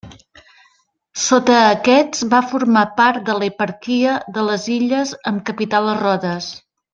Sota aquests va formar part de l'eparquia de les illes amb capital a Rodes.